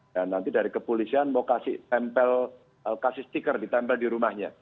dan nanti dari kepolisian mau kasih tempel kasih stiker ditempel di rumahnya